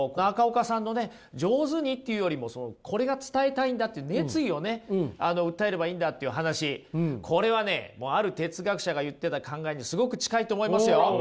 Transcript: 中岡さんのね上手にっていうよりもこれが伝えたいんだっていう熱意をね訴えればいいんだっていう話これはねある哲学者が言ってた考えにすごく近いと思いますよ。